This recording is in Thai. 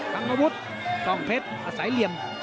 กล้องเทปอาศัยเหลี่ยม